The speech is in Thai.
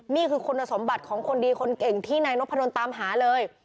นี่คือคุณสมบัติของคนดีคนเก่งที่นายนพดลตามหาเลย